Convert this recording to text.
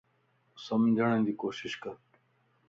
سمجھڙ جي ڪوشش ڪر